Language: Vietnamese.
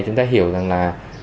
chúng ta hiểu rằng là